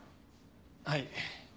はい。